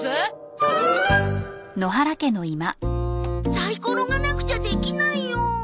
サイコロがなくちゃできないよ。